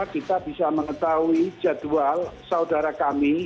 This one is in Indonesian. kita bisa mengetahui jadwal saudara kami